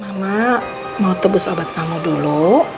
mama mau tebus obat kamu dulu